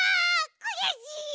くやしい！